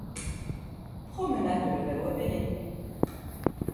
Promenade de Levallois-Perret.